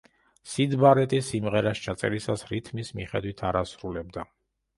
სიდ ბარეტი სიმღერას ჩაწერისას რიტმის მიხედვით არ ასრულებდა.